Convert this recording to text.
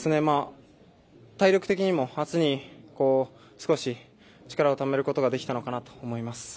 体力的にも明日に少し力をためることができたのかなと思います。